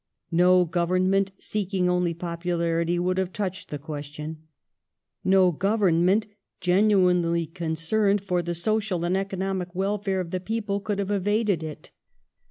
No Government seeking only popularity would have touched the question ; no Government genuinely concerned for the social and economic welfare of the people could have evaded it.